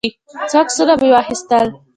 څو عکسونه مې واخیستل.